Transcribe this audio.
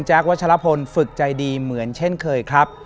วัชลพลฝึกใจดีเหมือนเช่นเคยครับ